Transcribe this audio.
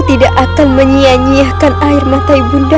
ibu nang akan selamatkan ibu